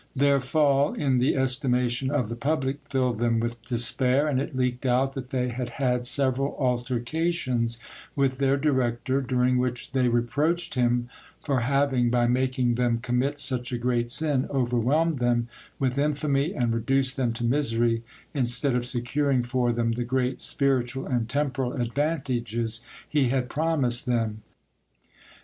Their, fall in the estimation of the public filled them with despair, and it leaked out that they had had several altercations with their director, during which they reproached him for having, by making them commit such a great sin, overwhelmed them with infamy and reduced them to misery, instead of securing for them the great spiritual and temporal advantages he had promised them.